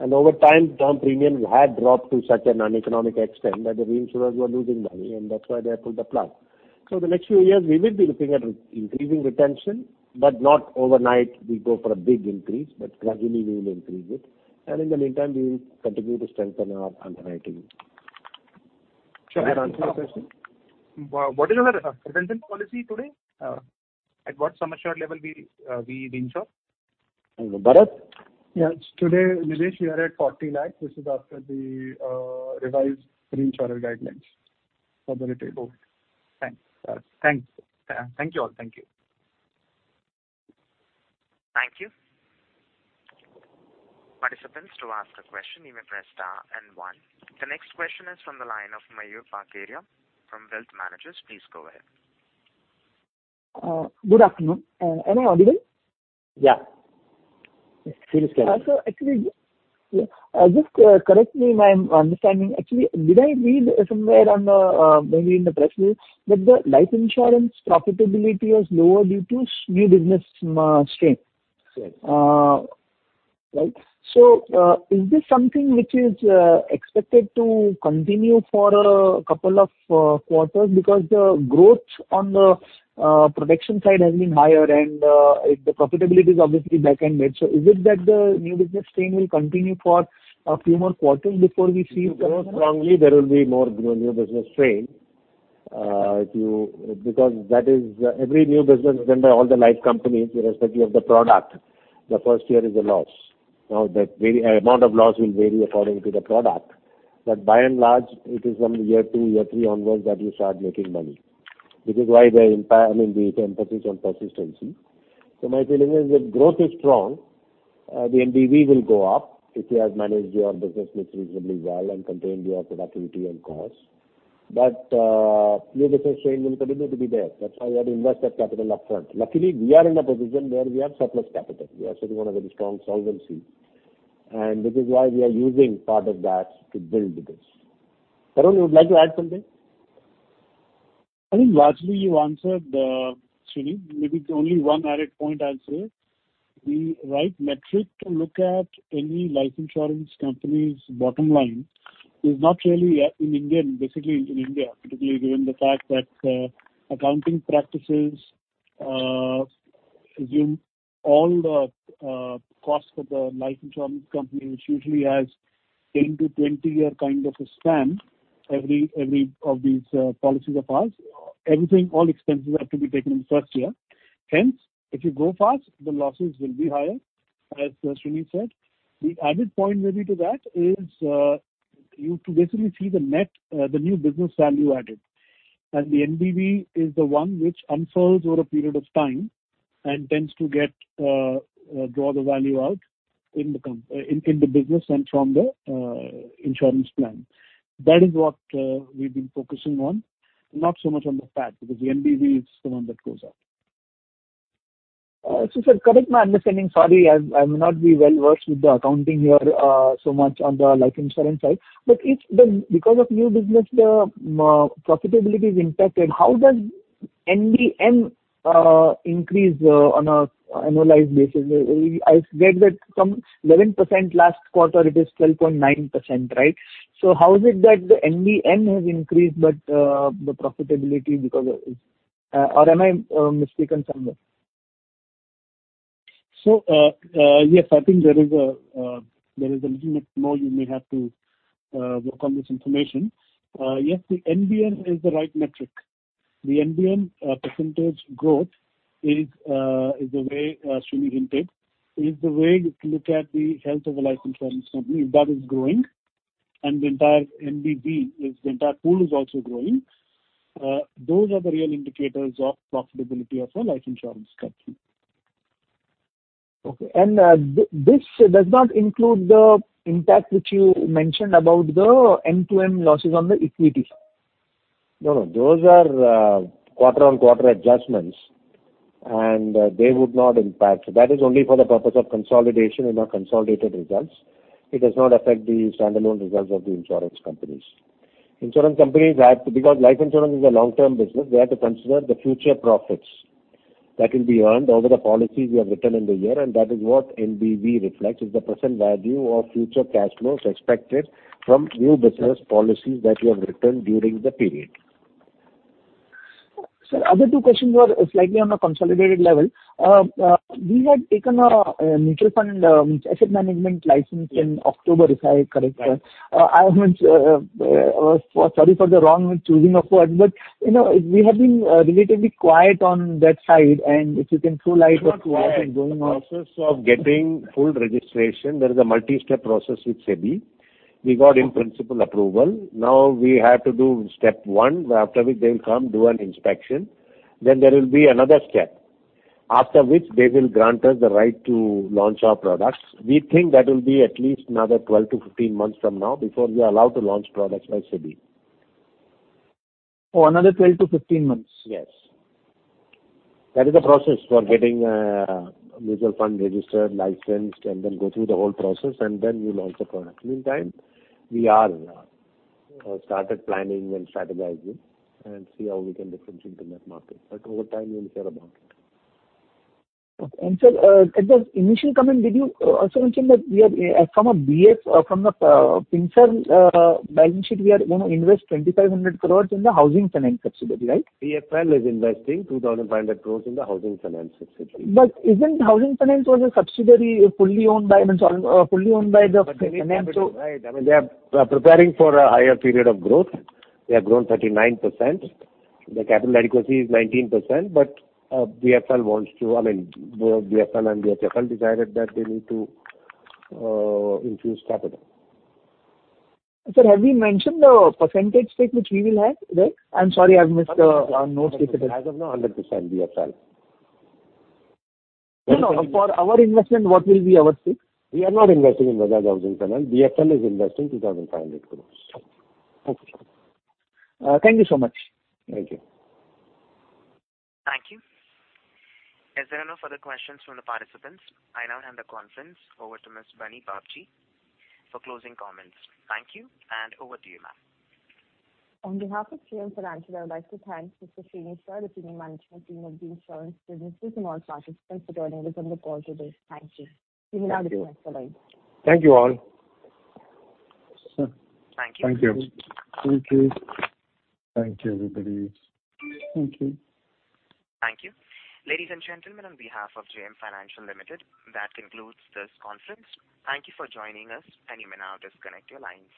Over time, term premiums had dropped to such an uneconomic extent that the reinsurers were losing money, and that's why they have pulled the plug. The next few years we will be looking at increasing retention, but not overnight we go for a big increase, but gradually we will increase it. In the meantime, we will continue to strengthen our underwriting. Did I answer your question? What is your retention policy today? At what sum assured level we reinsure? Bharat? Yes. Today, Nidhesh, we are at 40 lakhs, which is after the revised reinsurance guidelines for the retail. Thanks, Bharat. Thanks. Thank you all. Thank you. Thank you. Participants, to ask a question you may press star and one. The next question is from the line of Mayur Parkeria from Wealth Managers. Please go ahead. Good afternoon. Am I audible? Yeah. Yes, please carry on. Actually, just, correct me if I'm understanding. Actually, did I read somewhere on the, maybe in the press release that the life insurance profitability was lower due to new business, strain? Yes. Right. Is this something which is expected to continue for a couple of quarters? Because the growth on the protection side has been higher and the profitability is obviously back-ended. Is it that the new business strain will continue for a few more quarters before we see. If you grow strongly, there will be more new business strain. Because that is every new business done by all the life companies irrespective of the product, the first year is a loss. Now, the amount of loss will vary according to the product, but by and large, it is from year two, year three onwards that you start making money, which is why the entire, I mean, the emphasis on persistency. My feeling is if growth is strong, the NBV will go up if you have managed your business mix reasonably well and contained your productivity and costs. New business strain will continue to be there. That's why you have to invest that capital up front. Luckily, we are in a position where we have surplus capital. We are sitting on a very strong solvency, and this is why we are using part of that to build this. Tarun, you would like to add something? I think largely you answered, Sreenivasan. Maybe only one added point I'll say. The right metric to look at any life insurance company's bottom line is not really in India, basically in India, particularly given the fact that accounting practices assume all the costs of the life insurance company, which usually has a 10-20 year kind of a span every of these policies of ours. Everything, all expenses have to be taken in first year. Hence, if you grow fast, the losses will be higher, as Srini said. The added point maybe to that is, you to basically see the net, the new business value added. The NBV is the one which unfurls over a period of time and tends to draw the value out in the business and from the insurance plan. That is what we've been focusing on, not so much on the PAT, because the NBV is the one that goes up. Srini, correct my understanding. Sorry, I may not be well-versed with the accounting here, so much on the life insurance side. If because of new business the profitability is impacted, how does NBM increase on a annualized basis? I get that from 11% last quarter it is 12.9%, right? How is it that the NBM has increased but the profitability because it's or am I mistaken somewhere? Yes, I think there is a little bit more you may have to work on this information. Yes, the NBM is the right metric. The NBM percentage growth is the way Srini hinted is the way you can look at the health of a life insurance company if that is growing. The entire NBV, the entire pool, is also growing. Those are the real indicators of profitability of a life insurance company. Okay. This does not include the impact which you mentioned about the end-to-end losses on the equity side? No, no. Those are quarter-on-quarter adjustments, and they would not impact. That is only for the purpose of consolidation in our consolidated results. It does not affect the standalone results of the insurance companies. Insurance companies have to, because life insurance is a long-term business, they have to consider the future profits that will be earned over the policies we have written in the year, and that is what NBV reflects, is the present value of future cash flows expected from new business policies that we have written during the period. Sir, other two questions were slightly on a consolidated level. We had taken a mutual fund asset management license in October, if I'm correct. Right. I haven't. Sorry for the wrong choosing of words, but, you know, we have been relatively quiet on that side. If you can throw light on what is going on. It's not quiet. The process of getting full registration, there is a multi-step process with SEBI. We got in principle approval. Now we have to do step one, after which they'll come do an inspection. Then there will be another step, after which they will grant us the right to launch our products. We think that will be at least another 12-15 months from now before we are allowed to launch products by SEBI. Oh, another 12-15 months? Yes. That is the process for getting a mutual fund registered, licensed, and then go through the whole process, and then we launch the product. Meantime, we have started planning and strategizing and see how we can differentiate in that market. Over time we'll share about it. Okay. Sir, at the initial comment, did you also mention that we are from the BFS balance sheet, we are gonna invest 2,500 crore in the housing finance subsidiary, right? BFL is investing 2,500 crore in the housing finance subsidiary. Isn't Bajaj Housing Finance a subsidiary fully owned by the financial. They need capital, right? I mean, they are preparing for a higher period of growth. They have grown 39%. Their capital adequacy is 19%. BFL, I mean, both BFL and BFHL decided that they need to infuse capital. Sir, have you mentioned the percentage stake which we will have there? I'm sorry, I've missed our notes. As of now, 100% BFL. No, no. For our investment, what will be our stake? We are not investing in Bajaj Housing Finance. BFL is investing 2,500 crores. Okay. Thank you so much. Thank you. Thank you. As there are no further questions from the participants, I now hand the conference over to Ms. Bani Babji for closing comments. Thank you, and over to you, ma'am. On behalf of JM Financial, I would like to thank Mr. S. Sreenivasan, the senior management team of the insurance businesses, and all participants for joining us on the call today. Thank you. You may now disconnect your lines. Thank you. Thank you all. Sir. Thank you. Thank you. Thank you. Thank you, everybody. Thank you. Thank you. Ladies and gentlemen, on behalf of JM Financial Limited, that concludes this conference. Thank you for joining us, and you may now disconnect your lines.